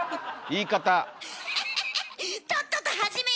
言い方